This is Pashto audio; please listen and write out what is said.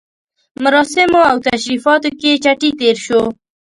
مراسمو او تشریفاتو کې چټي تېر شو.